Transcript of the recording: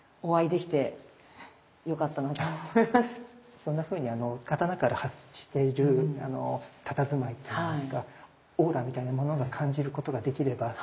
そんなふうに刀から発しているあのたたずまいっていいますかオーラみたいなものが感じることができればとてもいいと思います。